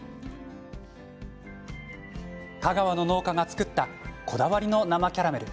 香川の農家が作ったこだわりの生キャラメル。